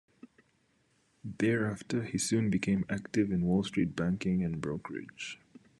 Thereafter he soon became active in Wall Street banking and brokerage.